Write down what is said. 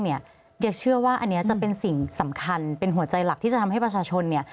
เดี๋ยวเชื่อว่าอันนี้จะเป็นสิ่งสำคัญเป็นหัวใจหลักที่จะทำให้ประชาชนเนี่ย